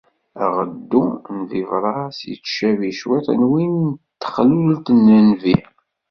Aɣeddu n bibras yettcabi cwiṭ n win texlult n Nnbi